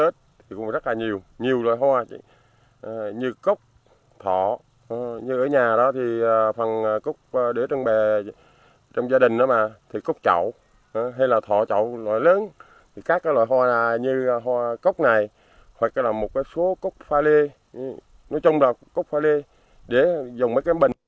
thọ như ở nhà đó thì phần cúc để trang bè trong gia đình đó mà thì cúc chậu hay là thọ chậu loại lớn các loại hoa như cúc này hoặc là một số cúc pha lê nói chung là cúc pha lê để dùng mấy cái bình